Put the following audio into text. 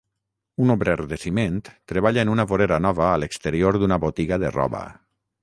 Un obrer de ciment treballa en una vorera nova a l'exterior d'una botiga de roba.